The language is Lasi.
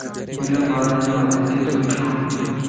ھن ٻارَ جو عادتيون سٺيون ائين